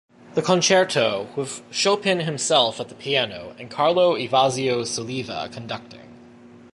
The concerto, with Chopin himself at the piano and Carlo Evasio Soliva conducting.